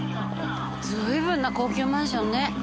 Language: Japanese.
随分な高級マンションね。